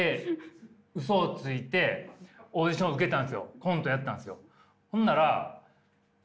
コントやったんすよ。